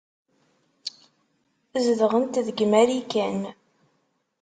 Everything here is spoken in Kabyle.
Zedɣent deg Marikan.